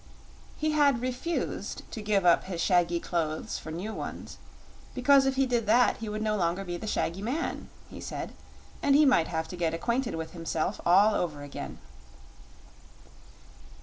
He had refused to give up his shaggy clothes for new ones, because if he did that he would no longer be the shaggy man, he said, and he might have to get acquainted with himself all over again.